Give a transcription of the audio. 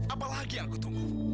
apalagi yang aku tunggu